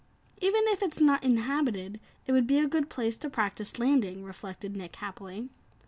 "Even if it's not inhabited, it would be a good place to practice landing," reflected Nick happily.